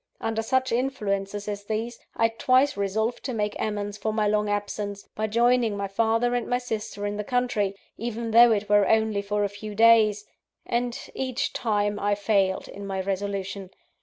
Under such influences as these, I twice resolved to make amends for my long absence, by joining my father and my sister in the country, even though it were only for a few days and, each time, I failed in my resolution.